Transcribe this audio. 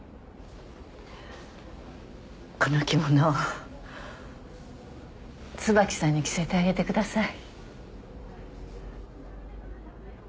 この着物椿さんに着せてあげてください。